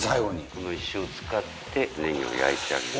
この石を使ってネギを焼いてあげる。